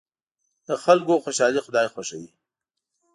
د خلکو خوشحالي خدای خوښوي.